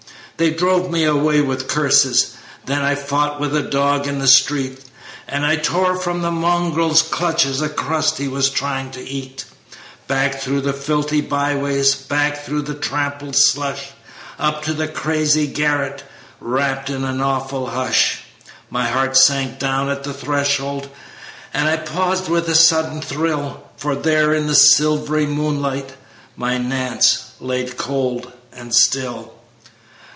They drove me away with curses; Then I fought with a dog in the street, And tore from the mongrel's clutches A crust he was trying to eat. "Back, through the filthy by lanes! Back, through the trampled slush! Up to the crazy garret, Wrapped in an awful hush. My heart sank down at the threshold, And I paused with a sudden thrill, For there in the silv'ry moonlight My Nance lay, cold and still.